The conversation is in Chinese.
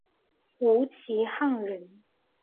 吴其沆人。